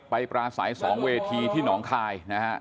ไปปราศัยสองเวทีที่หนองคายนะครับ